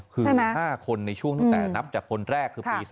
คือ๕คนในช่วงตั้งแต่นับจากคนแรกคือปี๒๕